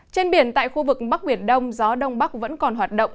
trên biển tại khu vực bắc biển đông gió đông bắc vẫn còn hoạt động